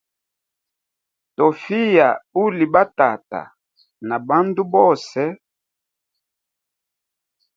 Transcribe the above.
Tofiya uli ba tata na bandu bose.